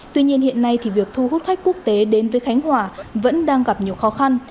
tuy nhiên hiện nay thì việc thu hút khách quốc tế đến với khánh hòa vẫn đang gặp nhiều khó khăn